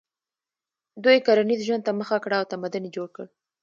دوی کرنیز ژوند ته مخه کړه او تمدن یې جوړ کړ.